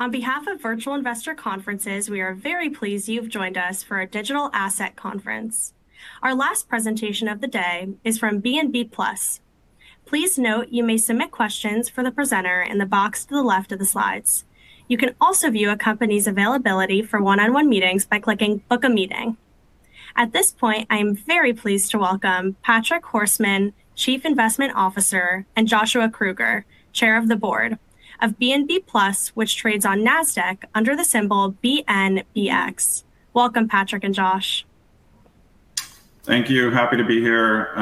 On behalf of Virtual Investor Conferences, we are very pleased you've joined us for our Digital Asset Conference. Our last presentation of the day is from BNB Plus. Please note you may submit questions for the presenter in the box to the left of the slides. You can also view a company's availability for one-on-one meetings by clicking Book a Meeting. At this point, I am very pleased to welcome Patrick Horsman, Chief Investment Officer, and Joshua Kruger, Chair of the Board of BNB Plus, which trades on Nasdaq under the symbol BNBX. Welcome, Patrick and Josh. Thank you. Happy to be here.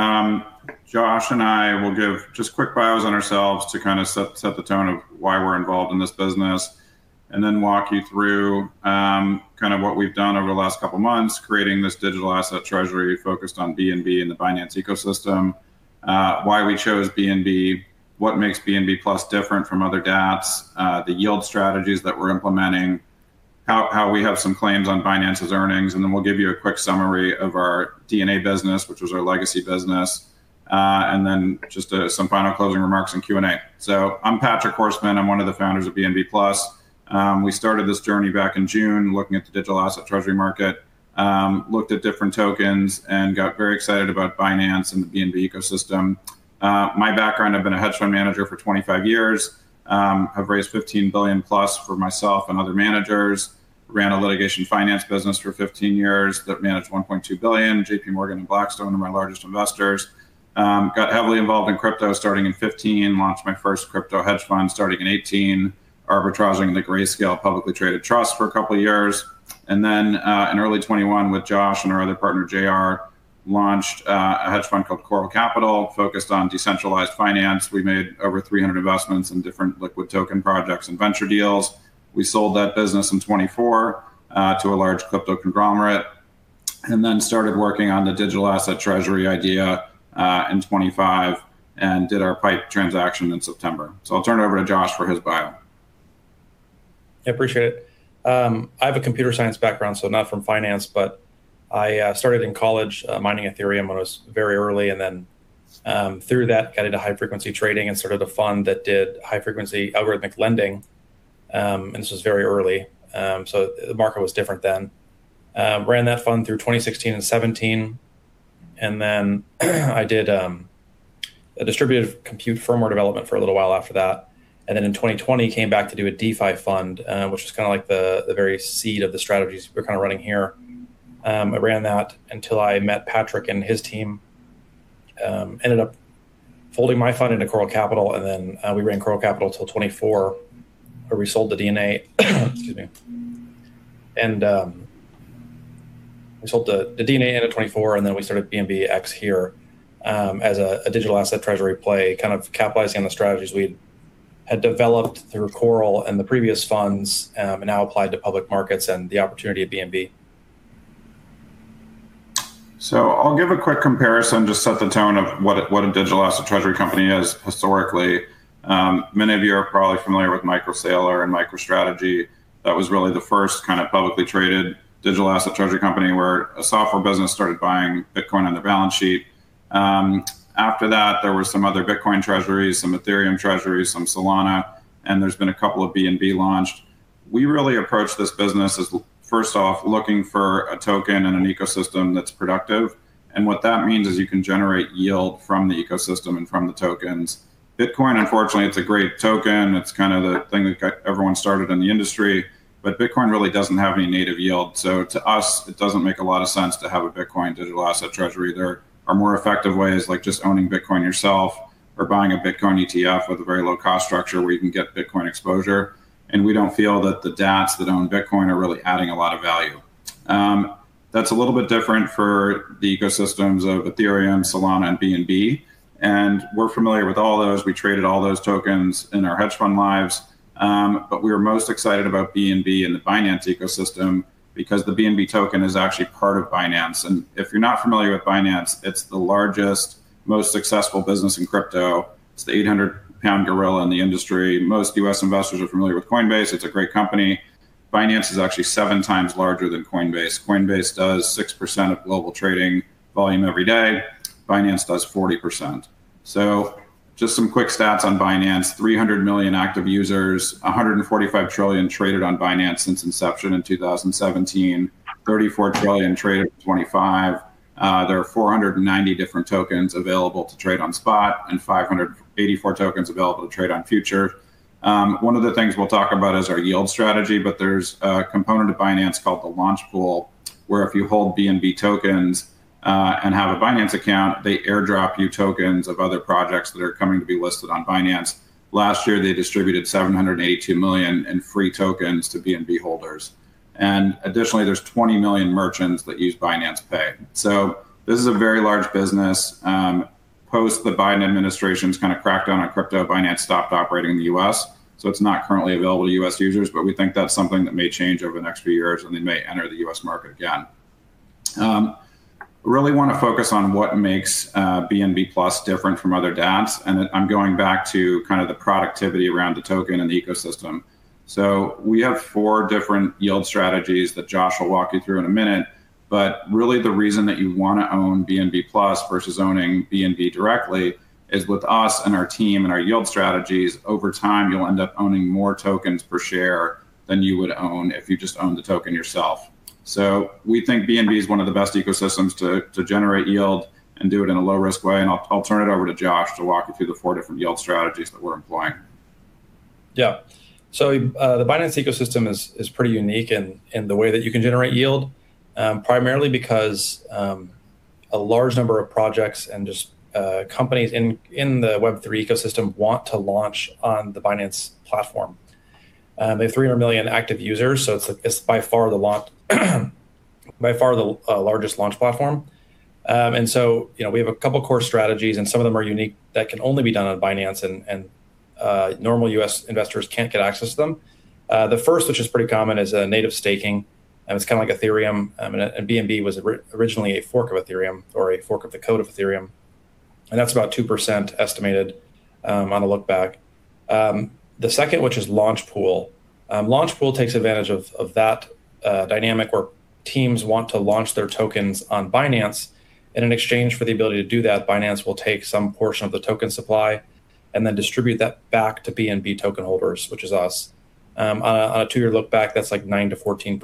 Josh and I will give just quick bios on ourselves to kind of set the tone of why we're involved in this business, and then walk you through kind of what we've done over the last couple of months, creating this digital asset treasury focused on BNB and the Binance ecosystem. Why we chose BNB, what makes BNB Plus different from other dApps, the yield strategies that we're implementing, how we have some claims on Binance's earnings. And then we'll give you a quick summary of our DNA business, which was our legacy business, and then just some final closing remarks and Q&A. So I'm Patrick Horsman. I'm one of the founders of BNB Plus. We started this journey back in June, looking at the digital asset treasury market, looked at different tokens and got very excited about Binance and the BNB ecosystem. My background, I've been a hedge fund manager for 25 years. I've raised $15 billion+ for myself and other managers, ran a litigation finance business for 15 years that managed $1.2 billion. JPMorgan and Blackstone are my largest investors. Got heavily involved in crypto, starting in 2015, launched my first crypto hedge fund, starting in 2018, arbitraging the Grayscale publicly traded trust for a couple of years. And then, in early 2021, with Josh and our other partner, J.R., launched a hedge fund called Coral Capital, focused on decentralized finance. We made over 300 investments in different liquid token projects and venture deals. We sold that business in 2024 to a large crypto conglomerate, and then started working on the digital asset treasury idea in 2025, and did our PIPE transaction in September. So I'll turn it over to Josh for his bio. I appreciate it. I have a computer science background, so not from finance, but I started in college, mining Ethereum when it was very early, and then, through that, got into high-frequency trading and sort of the fund that did high-frequency algorithmic lending. And this was very early, so the market was different then. Ran that fund through 2016 and 2017, and then I did a distributed compute firmware development for a little while after that, and then in 2020, came back to do a DeFi fund, which is kind of like the very seed of the strategies we're kind of running here. I ran that until I met Patrick and his team, ended up folding my fund into Coral Capital, and then we ran Coral Capital till 2024, where we sold the DNA. Excuse me. And, we sold the, the DNA business at the end of 2024, and then we started BNBX here, as a, a digital asset treasury play, kind of capitalizing on the strategies we had developed through Coral and the previous funds, and now applied to public markets and the opportunity at BNB. So I'll give a quick comparison to set the tone of what a, what a digital asset treasury company is historically. Many of you are probably familiar with MicroStrategy or, and MicroStrategy. That was really the first kind of publicly traded digital asset treasury company, where a software business started buying Bitcoin on their balance sheet. After that, there were some other Bitcoin treasuries, some Ethereum treasuries, some Solana, and there's been a couple of BNB launched. We really approached this business as, first off, looking for a token and an ecosystem that's productive, and what that means is you can generate yield from the ecosystem and from the tokens. Bitcoin, unfortunately, it's a great token. It's kind of the thing that got everyone started in the industry, but Bitcoin really doesn't have any native yield. To us, it doesn't make a lot of sense to have a Bitcoin digital asset treasury. There are more effective ways, like just owning Bitcoin yourself or buying a Bitcoin ETF with a very low cost structure where you can get Bitcoin exposure. We don't feel that the dApps that own Bitcoin are really adding a lot of value. That's a little bit different for the ecosystems of Ethereum, Solana, and BNB, and we're familiar with all those. We traded all those tokens in our hedge fund lives. We are most excited about BNB and the finance ecosystem because the BNB token is actually part of Binance. If you're not familiar with Binance, it's the largest, most successful business in crypto. It's the 800-pound gorilla in the industry. Most U.S. investors are familiar with Coinbase. It's a great company. Binance is actually 7 times larger than Coinbase. Coinbase does 6% of global trading volume every day. Binance does 40%. So just some quick stats on Binance: 300 million active users, $145 trillion traded on Binance since inception in 2017, $34 trillion traded in 2025. There are 490 different tokens available to trade on spot and 584 tokens available to trade on future. One of the things we'll talk about is our yield strategy, but there's a component of Binance called the Launchpool, where if you hold BNB tokens and have a Binance account, they airdrop you tokens of other projects that are coming to be listed on Binance. Last year, they distributed $782 million in free tokens to BNB holders. And additionally, there's 20 million merchants that use Binance Pay. So this is a very large business. Post the Biden administration's kind of crackdown on crypto, Binance stopped operating in the U.S., so it's not currently available to U.S. users, but we think that's something that may change over the next few years, and they may enter the U.S. market again. I really wanna focus on what makes BNB Plus different from other dApps, and then I'm going back to kind of the productivity around the token and the ecosystem. So we have four different yield strategies that Josh will walk you through in a minute, but really the reason that you wanna own BNB Plus versus owning BNB directly is, with us and our team and our yield strategies, over time you'll end up owning more tokens per share than you would own if you just owned the token yourself. So we think BNB is one of the best ecosystems to, to generate yield and do it in a low-risk way, and I'll, I'll turn it over to Josh to walk you through the four different yield strategies that we're employing. Yeah. So, the Binance ecosystem is pretty unique in the way that you can generate yield, primarily because a large number of projects and just companies in the Web3 ecosystem want to launch on the Binance platform. They have 300 million active users, so it's by far the largest launch platform. And so, you know, we have a couple core strategies, and some of them are unique that can only be done on Binance, and normal U.S. investors can't get access to them. The first, which is pretty common, is native staking, and it's kinda like Ethereum. And BNB was originally a fork of Ethereum or a fork of the code of Ethereum, and that's about 2% estimated on a look-back. The second, which is Launchpool. Launchpool takes advantage of that dynamic, where teams want to launch their tokens on Binance, and in exchange for the ability to do that, Binance will take some portion of the token supply and then distribute that back to BNB token holders, which is us. On a two-year look-back, that's, like, 9%-14%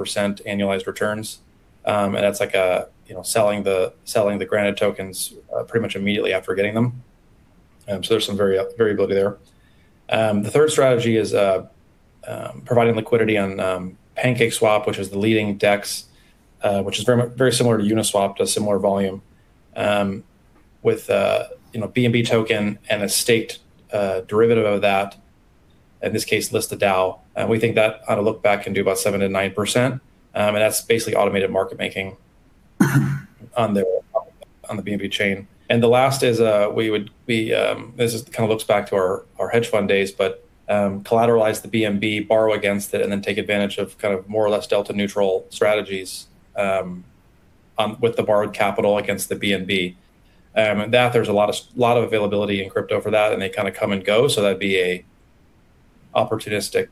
annualized returns, and that's like a, you know, selling the granted tokens pretty much immediately after getting them. So there's some variability there. The third strategy is providing liquidity on PancakeSwap, which is the leading DEX, which is very similar to Uniswap to similar volume, with you know, BNB token and a staked derivative of that, in this case, Lista DAO, and we think that on a look-back can do about 7%-9%. And that's basically automated market making on the BNB chain. And the last is we would be... this is kinda looks back to our hedge fund days, but collateralize the BNB, borrow against it, and then take advantage of kind of more or less delta-neutral strategies on with the borrowed capital against the BNB. And that, there's a lot of availability in crypto for that, and they kinda come and go, so that'd be a opportunistic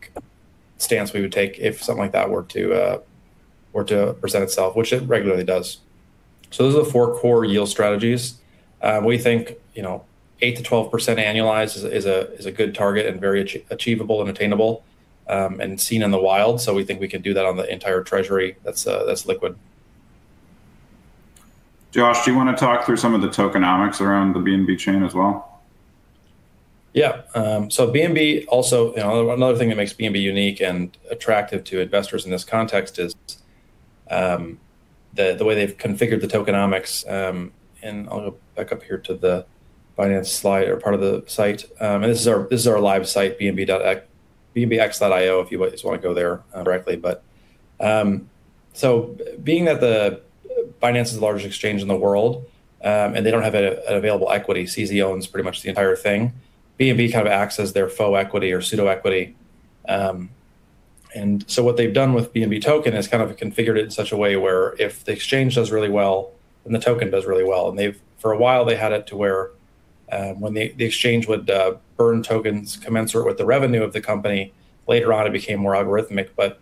stance we would take if something like that were to present itself, which it regularly does. So those are the four core yield strategies. We think, you know, 8%-12% annualized is a good target and very achievable and attainable, and seen in the wild, so we think we can do that on the entire treasury that's liquid. Josh, do you wanna talk through some of the tokenomics around the BNB Chain as well? Yeah. So BNB also. You know, another, another thing that makes BNB unique and attractive to investors in this context is, the, the way they've configured the tokenomics. And I'll go back up here to the Binance slide or part of the site. And this is our, this is our live site, bnbx.io, if you just wanna go there, directly. But, so being that Binance is the largest exchange in the world, and they don't have an available equity, CZ owns pretty much the entire thing, BNB kind of acts as their faux equity or pseudo equity. And so what they've done with BNB token is kind of configured it in such a way where if the exchange does really well, then the token does really well. And they've. For a while, they had it to where, when the exchange would burn tokens commensurate with the revenue of the company. Later on, it became more algorithmic, but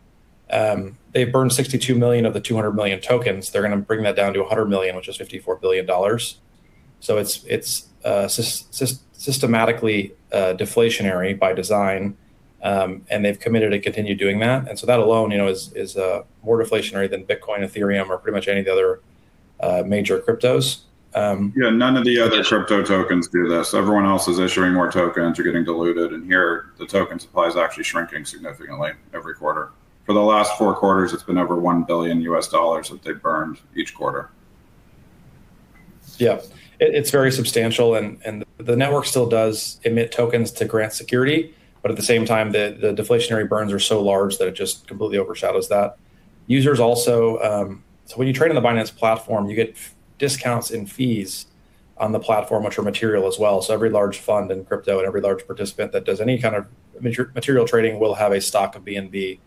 they've burned 62 million of the 200 million tokens. They're gonna bring that down to 100 million, which is $54 billion. So it's systematically deflationary by design, and they've committed to continue doing that, and so that alone, you know, is more deflationary than Bitcoin, Ethereum, or pretty much any of the other major cryptos. Yeah, none of the other crypto tokens do this. Everyone else is issuing more tokens or getting diluted, and here the token supply is actually shrinking significantly every quarter. For the last four quarters, it's been over $1 billion that they've burned each quarter. Yeah. It's very substantial, and the network still does emit tokens to grant security, but at the same time, the deflationary burns are so large that it just completely overshadows that. Users also. So when you trade on the Binance platform, you get discounts in fees on the platform, which are material as well. So every large fund in crypto and every large participant that does any kind of material trading will have a stock of BNB,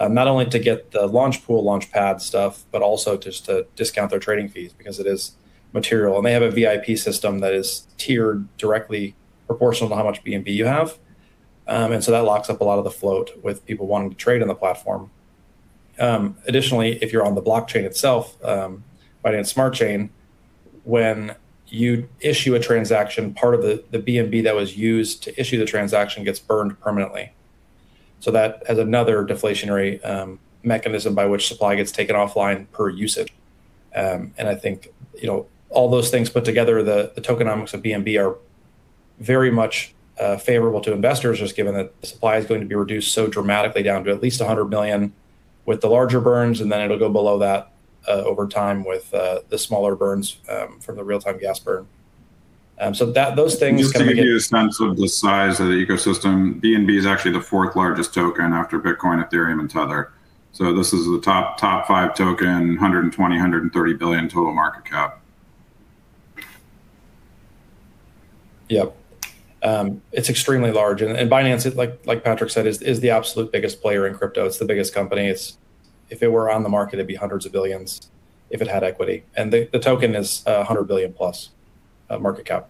not only to get the Launchpool, Launchpad stuff, but also just to discount their trading fees because it is material. And they have a VIP system that is tiered directly proportional to how much BNB you have. And so that locks up a lot of the float with people wanting to trade on the platform. Additionally, if you're on the blockchain itself, Binance Smart Chain, when you issue a transaction, part of the BNB that was used to issue the transaction gets burned permanently, so that adds another deflationary mechanism by which supply gets taken offline per usage. And I think, you know, all those things put together, the tokenomics of BNB are very much favorable to investors, just given that the supply is going to be reduced so dramatically down to at least 100 million with the larger burns, and then it'll go below that over time with the smaller burns from the real-time gas burn. So those things kind of get Just to give you a sense of the size of the ecosystem, BNB is actually the fourth largest token after Bitcoin, Ethereum, and Tether. So this is the top, top five token, $120 billion-$130 billion total market cap. Yep. It's extremely large, and Binance is, like Patrick said, the absolute biggest player in crypto. It's the biggest company. It's if it were on the market, it'd be $hundreds of billions if it had equity, and the token is $100 billion-plus market cap.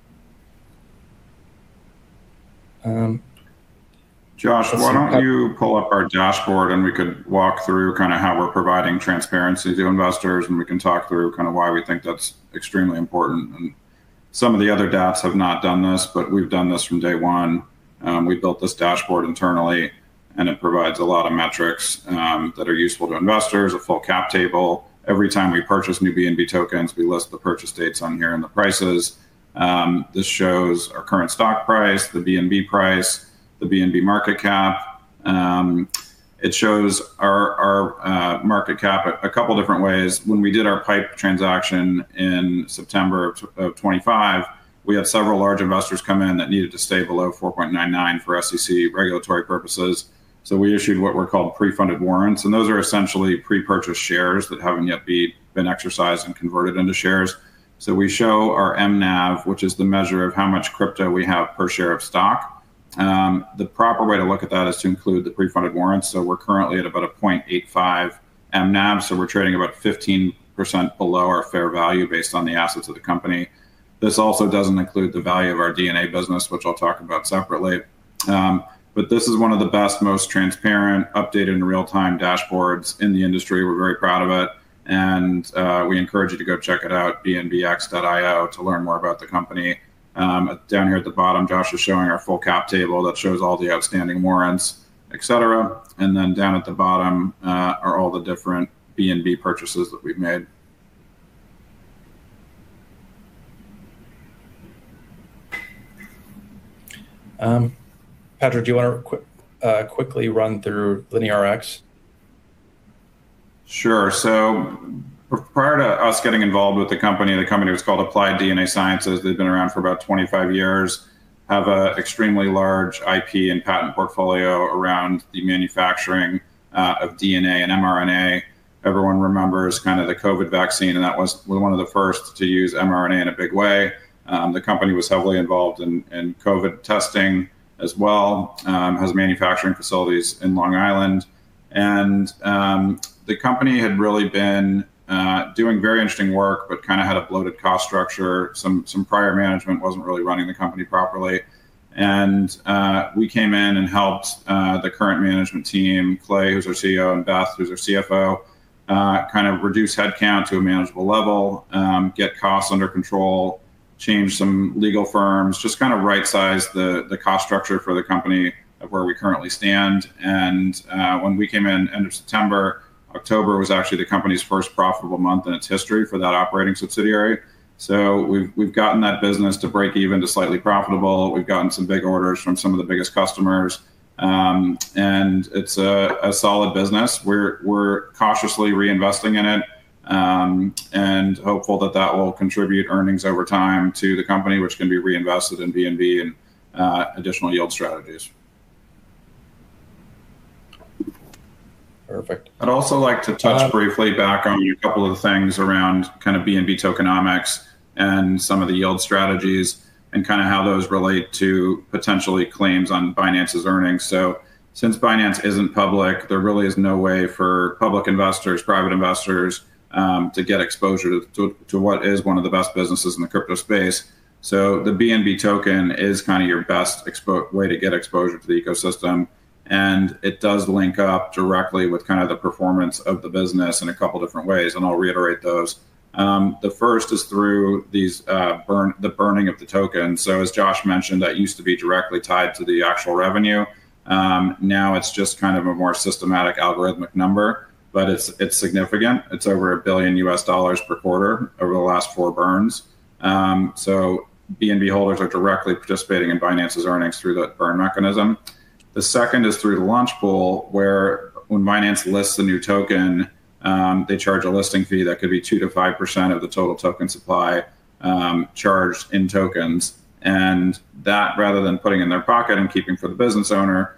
Josh, why don't you pull up our dashboard, and we could walk through kind of how we're providing transparency to investors, and we can talk through kind of why we think that's extremely important? And some of the other dApps have not done this, but we've done this from day one. We built this dashboard internally, and it provides a lot of metrics that are useful to investors, a full cap table. Every time we purchase new BNB tokens, we list the purchase dates on here and the prices. This shows our current stock price, the BNB price, the BNB market cap. It shows our market cap a couple different ways. When we did our PIPE transaction in September of 2025, we had several large investors come in that needed to stay below 4.99 for SEC regulatory purposes. So we issued what were called pre-funded warrants, and those are essentially pre-purchased shares that haven't yet been exercised and converted into shares. So we show our M-NAV, which is the measure of how much crypto we have per share of stock. The proper way to look at that is to include the pre-funded warrants. So we're currently at about a 0.85 M-NAV, so we're trading about 15% below our fair value based on the assets of the company. This also doesn't include the value of our DNA business, which I'll talk about separately. But this is one of the best, most transparent, updated in real-time dashboards in the industry. We're very proud of it, and we encourage you to go check it out, bnbx.io, to learn more about the company. Down here at the bottom, Josh is showing our full cap table that shows all the outstanding warrants, et cetera. And then down at the bottom, are all the different BNB purchases that we've made. Patrick, do you wanna quickly run through LineaRx? Sure. So prior to us getting involved with the company, the company was called Applied DNA Sciences. They've been around for about 25 years, have an extremely large IP and patent portfolio around the manufacturing of DNA and mRNA. Everyone remembers kind of the COVID vaccine, and that was one of the first to use mRNA in a big way. The company was heavily involved in COVID testing as well, has manufacturing facilities in Long Island. The company had really been doing very interesting work but kind of had a bloated cost structure. Some prior management wasn't really running the company properly, and we came in and helped the current management team, Clay, who's our CEO, and Beth, who's our CFO, kind of reduce headcount to a manageable level, get costs under control, change some legal firms, just kind of right-size the cost structure for the company of where we currently stand. When we came in end of September, October was actually the company's first profitable month in its history for that operating subsidiary. So we've gotten that business to break even to slightly profitable. We've gotten some big orders from some of the biggest customers. And it's a solid business. We're cautiously reinvesting in it, and hopeful that that will contribute earnings over time to the company, which can be reinvested in BNB and additional yield strategies. Perfect. I'd also like to touch briefly back on a couple of the things around kind of BNB tokenomics and some of the yield strategies and kind of how those relate to potentially claims on Binance's earnings. So since Binance isn't public, there really is no way for public investors, private investors, to get exposure to what is one of the best businesses in the crypto space. So the BNB token is kind of your best way to get exposure to the ecosystem, and it does link up directly with kind of the performance of the business in a couple different ways, and I'll reiterate those. The first is through the burn, the burning of the token. So as Josh mentioned, that used to be directly tied to the actual revenue. Now it's just kind of a more systematic algorithmic number, but it's, it's significant. It's over $1 billion per quarter over the last four burns. So BNB holders are directly participating in Binance's earnings through that burn mechanism. The second is through the launch pool, where when Binance lists a new token, they charge a listing fee that could be 2%-5% of the total token supply, charged in tokens. And that, rather than putting in their pocket and keeping for the business owner,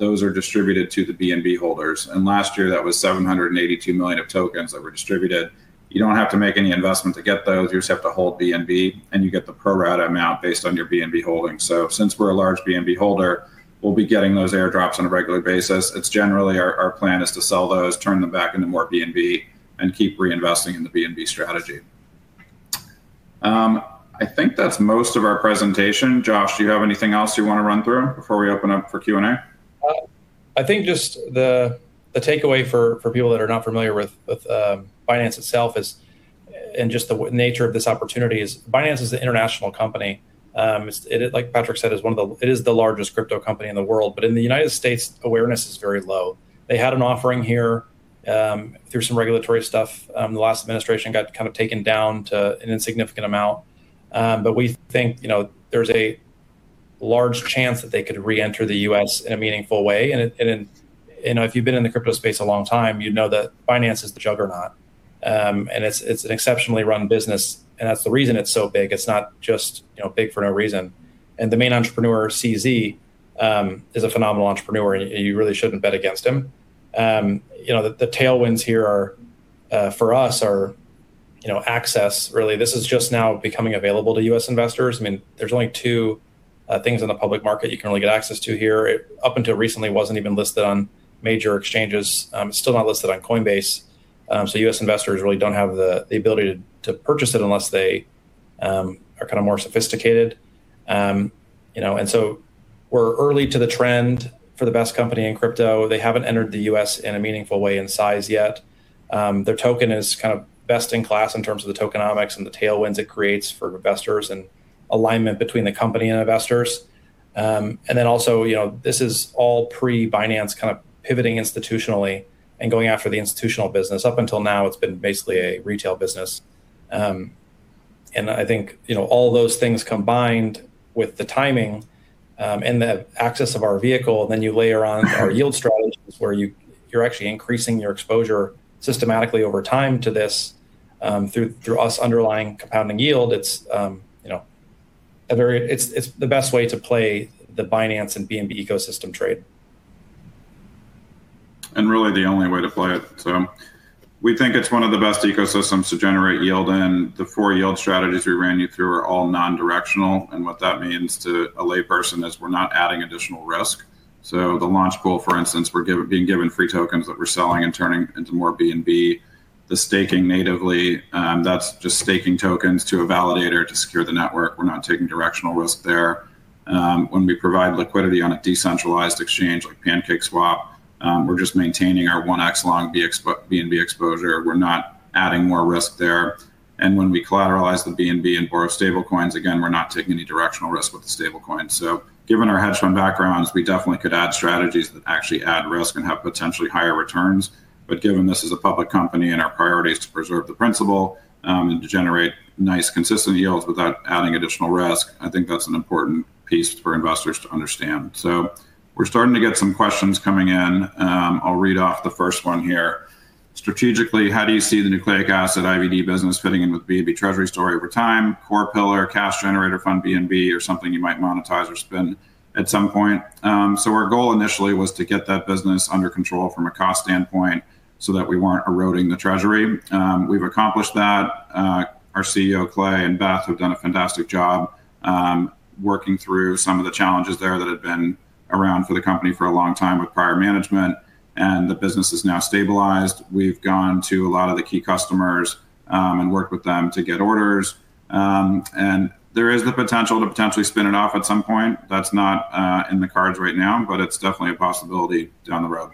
those are distributed to the BNB holders. And last year, that was 782 million of tokens that were distributed. You don't have to make any investment to get those. You just have to hold BNB, and you get the pro rata amount based on your BNB holdings. So since we're a large BNB holder, we'll be getting those airdrops on a regular basis. It's generally our plan is to sell those, turn them back into more BNB, and keep reinvesting in the BNB strategy. I think that's most of our presentation. Josh, do you have anything else you wanna run through before we open up for Q&A? I think just the takeaway for people that are not familiar with Binance itself is, and just the nature of this opportunity is. Binance is an international company. Like Patrick said, it is the largest crypto company in the world, but in the United States, awareness is very low. They had an offering here through some regulatory stuff. The last administration got kind of taken down to an insignificant amount. But we think, you know, there's a large chance that they could reenter the U.S. in a meaningful way. And you know, if you've been in the crypto space a long time, you'd know that Binance is the juggernaut. And it's an exceptionally run business, and that's the reason it's so big. It's not just, you know, big for no reason. And the main entrepreneur, CZ, is a phenomenal entrepreneur, and you really shouldn't bet against him. You know, the tailwinds here are for us, our, you know, access, really, this is just now becoming available to U.S. investors. I mean, there's only two things on the public market you can only get access to here. It, up until recently, wasn't even listed on major exchanges. It's still not listed on Coinbase, so U.S. investors really don't have the ability to purchase it unless they are kinda more sophisticated. You know, and so we're early to the trend for the best company in crypto. They haven't entered the U.S. in a meaningful way in size yet. Their token is kind of best-in-class in terms of the tokenomics and the tailwinds it creates for investors and alignment between the company and investors. And then also, you know, this is all pre-Binance, kind of pivoting institutionally and going after the institutional business. Up until now, it's been basically a retail business. And I think, you know, all those things combined with the timing, and the access of our vehicle, then you layer on our yield strategies, where you're actually increasing your exposure systematically over time to this, through, through us underlying compounding yield. It's, you know, a very... It's, it's the best way to play the Binance and BNB ecosystem trade. Really the only way to play it. So we think it's one of the best ecosystems to generate yield, and the 4 yield strategies we ran you through are all non-directional. And what that means to a layperson is we're not adding additional risk. So the Launchpool, for instance, we're being given free tokens that we're selling and turning into more BNB. The staking natively, that's just staking tokens to a validator to secure the network. We're not taking directional risk there. When we provide liquidity on a decentralized exchange, like PancakeSwap, we're just maintaining our 1x long BNB exposure. We're not adding more risk there. And when we collateralize the BNB and borrow stablecoins, again, we're not taking any directional risk with the stablecoin. So given our hedge fund backgrounds, we definitely could add strategies that actually add risk and have potentially higher returns. But given this is a public company and our priority is to preserve the principal, and to generate nice, consistent yields without adding additional risk, I think that's an important piece for investors to understand. So we're starting to get some questions coming in. I'll read off the first one here: Strategically, how do you see the nucleic acid IVD business fitting in with BNB treasury story over time? Core pillar, cash generator fund, BNB, or something you might monetize or spend at some point? So our goal initially was to get that business under control from a cost standpoint so that we weren't eroding the treasury. We've accomplished that. Our CEO, Clay and Beth, have done a fantastic job, working through some of the challenges there that had been around for the company for a long time with prior management, and the business is now stabilized. We've gone to a lot of the key customers, and worked with them to get orders. And there is the potential to potentially spin it off at some point. That's not in the cards right now, but it's definitely a possibility down the road.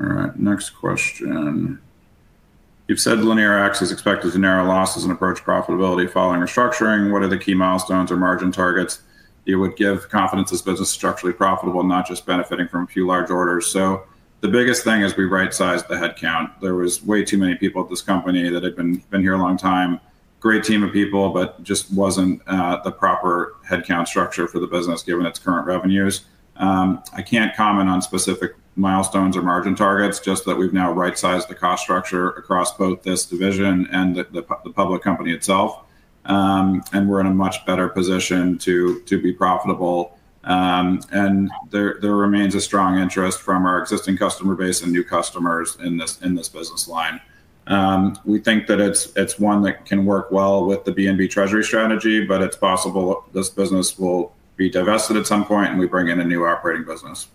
All right, next question. You've said LineaRx is expected to narrow losses and approach profitability following restructuring. What are the key milestones or margin targets you would give confidence this business is structurally profitable, not just benefiting from a few large orders? So the biggest thing is we rightsized the headcount. There was way too many people at this company that had been here a long time. Great team of people, but just wasn't the proper headcount structure for the business, given its current revenues. I can't comment on specific milestones or margin targets, just that we've now rightsized the cost structure across both this division and the public company itself. We're in a much better position to be profitable. There remains a strong interest from our existing customer base and new customers in this business line. We think that it's one that can work well with the BNB treasury strategy, but it's possible this business will be divested at some point, and we bring in a new operating business.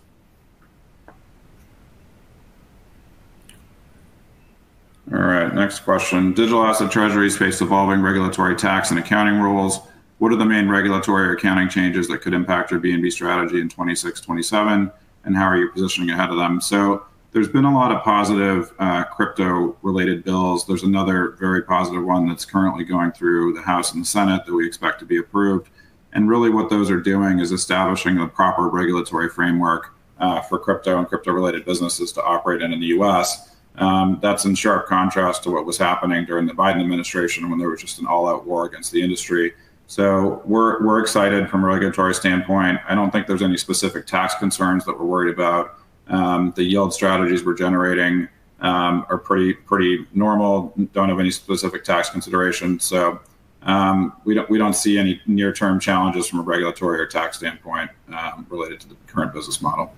All right, next question. Digital asset treasuries face evolving regulatory tax and accounting rules. What are the main regulatory or accounting changes that could impact your BNB strategy in 2026, 2027, and how are you positioning ahead of them? So there's been a lot of positive, crypto-related bills. There's another very positive one that's currently going through the House and the Senate that we expect to be approved. And really, what those are doing is establishing a proper regulatory framework, for crypto and crypto-related businesses to operate in in the U.S. That's in sharp contrast to what was happening during the Biden administration when there was just an all-out war against the industry. So we're, we're excited from a regulatory standpoint. I don't think there's any specific tax concerns that we're worried about. The yield strategies we're generating, are pretty, pretty normal, don't have any specific tax considerations. We don't see any near-term challenges from a regulatory or tax standpoint, related to the current business model.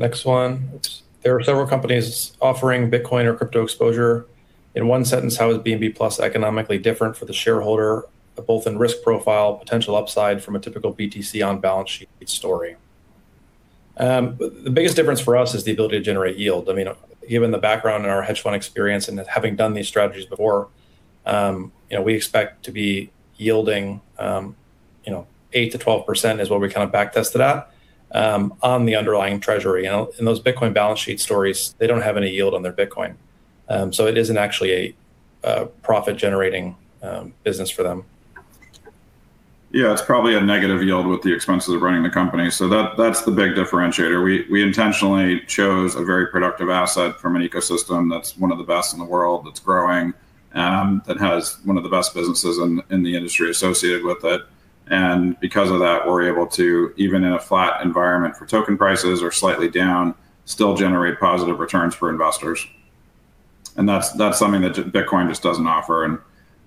Next one. There are several companies offering Bitcoin or crypto exposure. In one sentence, how is BNB Plus economically different for the shareholder, both in risk profile, potential upside from a typical BTC on-balance-sheet story? The biggest difference for us is the ability to generate yield. I mean, given the background and our hedge fund experience and having done these strategies before, you know, we expect to be yielding, you know, 8%-12% is what we kind of back tested at, on the underlying treasury. You know, in those Bitcoin balance sheet stories, they don't have any yield on their Bitcoin, so it isn't actually a profit-generating business for them. Yeah, it's probably a negative yield with the expenses of running the company, so that's the big differentiator. We intentionally chose a very productive asset from an ecosystem that's one of the best in the world, that's growing, that has one of the best businesses in the industry associated with it. And because of that, we're able to, even in a flat environment for token prices or slightly down, still generate positive returns for investors. And that's something that Bitcoin just doesn't offer, and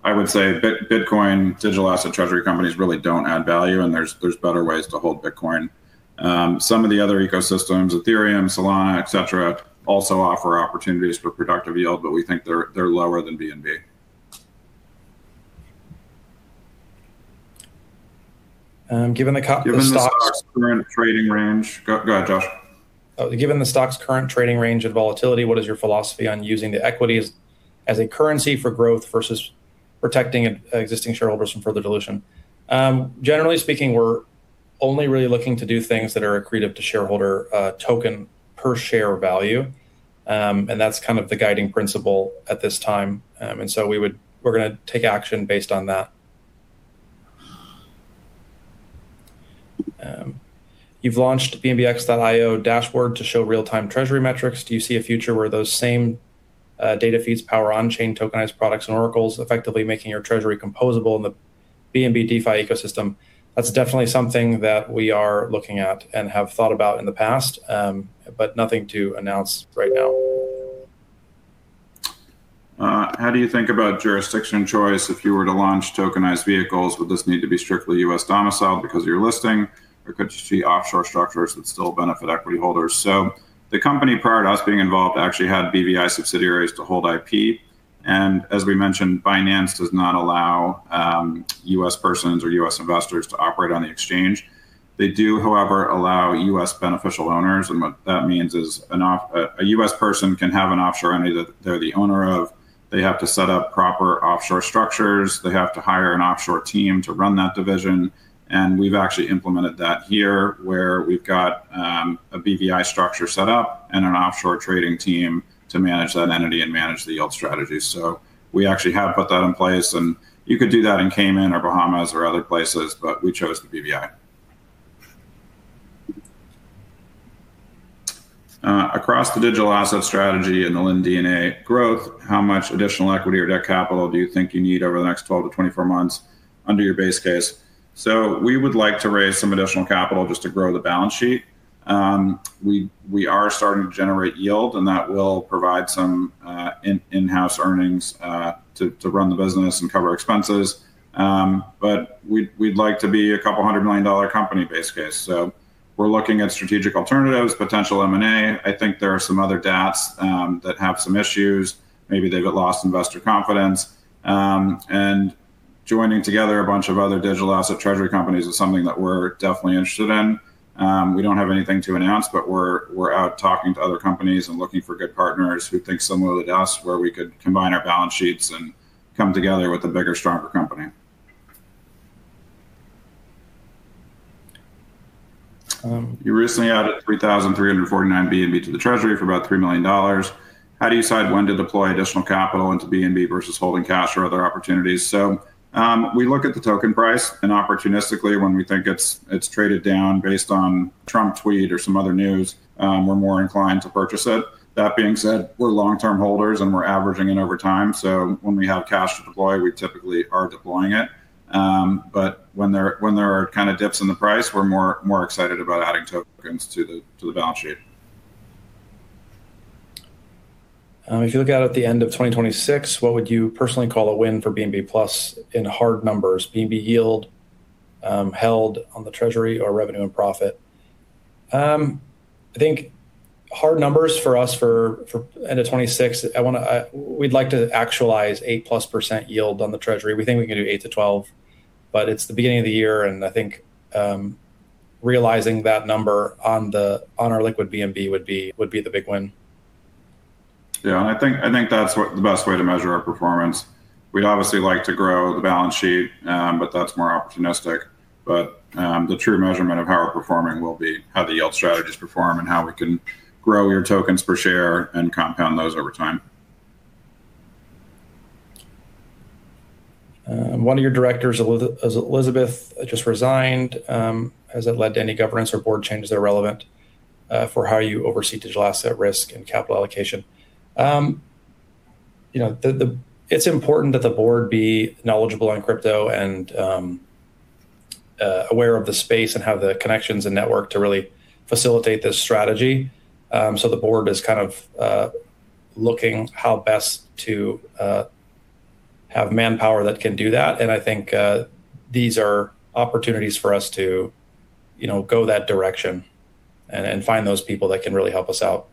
I would say Bitcoin, digital asset treasury companies really don't add value, and there's better ways to hold Bitcoin. Some of the other ecosystems, Ethereum, Solana, et cetera, also offer opportunities for productive yield, but we think they're lower than BNB. Given the stock's Given the stock's current trading range. Go, go ahead, Josh. Given the stock's current trading range and volatility, what is your philosophy on using the equities as a currency for growth versus protecting existing shareholders from further dilution? Generally speaking, we're only really looking to do things that are accretive to shareholder token per share value. And that's kind of the guiding principle at this time. And so we're gonna take action based on that. You've launched BNBX.io dashboard to show real-time treasury metrics. Do you see a future where those same data feeds power on-chain tokenized products and oracles, effectively making your treasury composable in the BNB DeFi ecosystem? That's definitely something that we are looking at and have thought about in the past, but nothing to announce right now. How do you think about jurisdiction choice? If you were to launch tokenized vehicles, would this need to be strictly U.S. domiciled because of your listing, or could you see offshore structures that still benefit equity holders? So the company, prior to us being involved, actually had BVI subsidiaries to hold IP. And as we mentioned, Binance does not allow U.S. persons or U.S. investors to operate on the exchange. They do, however, allow U.S. beneficial owners, and what that means is, a U.S. person can have an offshore entity that they're the owner of. They have to set up proper offshore structures. They have to hire an offshore team to run that division, and we've actually implemented that here, where we've got a BVI structure set up and an offshore trading team to manage that entity and manage the yield strategy. So we actually have put that in place, and you could do that in Cayman or Bahamas or other places, but we chose the BVI. Across the digital asset strategy and the LinearDNA growth, how much additional equity or debt capital do you think you need over the next 12-24 months under your base case? So we would like to raise some additional capital just to grow the balance sheet. We are starting to generate yield, and that will provide some in-house earnings to run the business and cover expenses. But we'd like to be a $200 million-dollar company base case. So we're looking at strategic alternatives, potential M&A. I think there are some other dApps that have some issues. Maybe they've lost investor confidence. And joining together a bunch of other digital asset treasury companies is something that we're definitely interested in. We don't have anything to announce, but we're out talking to other companies and looking for good partners who think similarly to us, where we could combine our balance sheets and come together with a bigger, stronger company. You recently added 3,349 BNB to the treasury for about $3 million. How do you decide when to deploy additional capital into BNB versus holding cash or other opportunities? We look at the token price, and opportunistically, when we think it's traded down based on Trump tweet or some other news, we're more inclined to purchase it. That being said, we're long-term holders, and we're averaging it over time. So when we have cash to deploy, we typically are deploying it. But when there are kind of dips in the price, we're more excited about adding tokens to the balance sheet. If you look out at the end of 2026, what would you personally call a win for BNB Plus in hard numbers? BNB yield held on the treasury or revenue and profit. I think hard numbers for us for end of 2026, we'd like to actualize 8+% yield on the treasury. We think we can do 8%-12%, but it's the beginning of the year, and I think realizing that number on our liquid BNB would be the big win. Yeah, and I think, I think that's what the best way to measure our performance. We'd obviously like to grow the balance sheet, but that's more opportunistic. But, the true measurement of how we're performing will be how the yield strategies perform and how we can grow your tokens per share and compound those over time. One of your directors, Elizabeth, just resigned. Has it led to any governance or board changes that are relevant for how you oversee digital asset risk and capital allocation? You know, the... It's important that the board be knowledgeable on crypto and aware of the space and have the connections and network to really facilitate this strategy. So the board is kind of looking how best to have manpower that can do that, and I think these are opportunities for us to, you know, go that direction and find those people that can really help us out.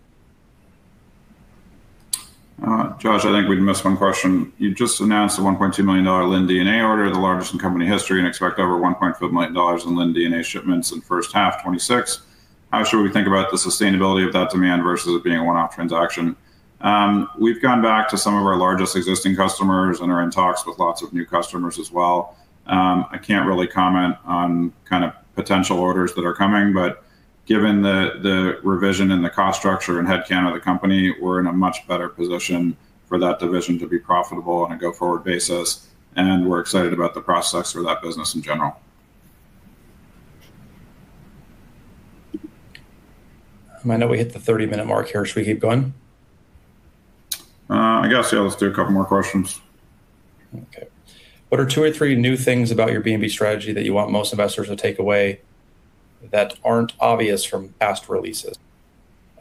Josh, I think we missed one question. You've just announced the $1.2 million LinearDNA order, the largest in company history, and expect over $1.5 million in LinearDNA shipments in first half 2026. How should we think about the sustainability of that demand versus it being a one-off transaction? We've gone back to some of our largest existing customers and are in talks with lots of new customers as well. I can't really comment on kind of potential orders that are coming, but given the revision in the cost structure and headcount of the company, we're in a much better position for that division to be profitable on a go-forward basis, and we're excited about the prospects for that business in general. I know we hit the 30-minute mark here, should we keep going? I guess, yeah, let's do a couple more questions. Okay. What are two or three new things about your BNB strategy that you want most investors to take away that aren't obvious from past releases?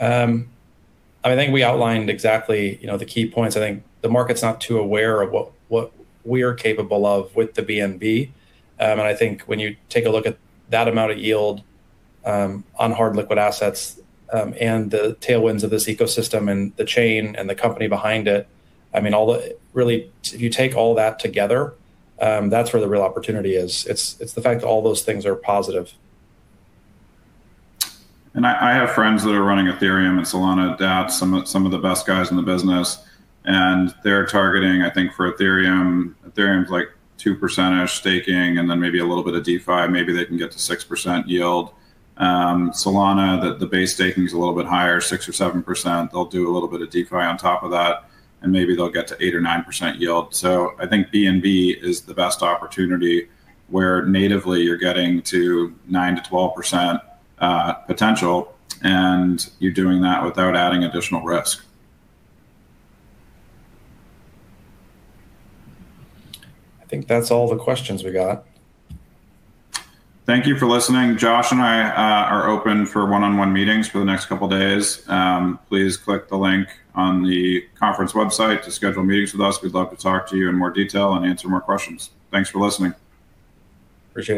I think we outlined exactly, you know, the key points. I think the market's not too aware of what, what we are capable of with the BNB. And I think when you take a look at that amount of yield, on hard liquid assets, and the tailwinds of this ecosystem and the chain and the company behind it, I mean, all the... Really, if you take all that together, that's where the real opportunity is. It's, it's the fact that all those things are positive. And I have friends that are running Ethereum and Solana dApps, some of the best guys in the business, and they're targeting, I think, for Ethereum, Ethereum's like 2% staking and then maybe a little bit of DeFi, maybe they can get to 6% yield. Solana, the base staking is a little bit higher, 6%-7%. They'll do a little bit of DeFi on top of that, and maybe they'll get to 8%-9% yield. So I think BNB is the best opportunity where natively you're getting to 9%-12% potential, and you're doing that without adding additional risk. I think that's all the questions we got. Thank you for listening. Josh and I are open for one-on-one meetings for the next couple days. Please click the link on the conference website to schedule meetings with us. We'd love to talk to you in more detail and answer more questions. Thanks for listening. Appreciate it.